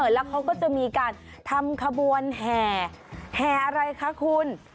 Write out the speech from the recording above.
แล้วเขาก็จะมีการทำขบวนแห่แห่อะไรคะคุณ